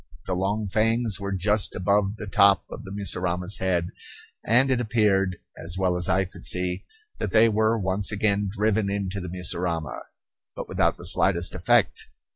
The long fangs were just above the top of the mussurama's head; and it appeared, as well as I could see, that they were once again driven into the mussurama; but without the slightest effect.